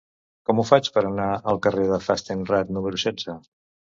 Com ho faig per anar al carrer de Fastenrath número setze?